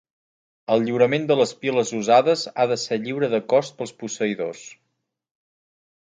El lliurament de les piles usades ha de ser lliure de cost pels posseïdors.